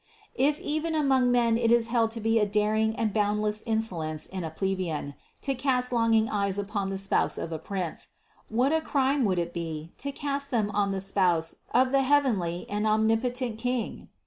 If even among men it is held to be a daring and boundless insolence in a plebeian to cast longing eyes upon the spouse of a prince, what a crime would it be to cast them on the spouse of the heavenly and omnipotent King?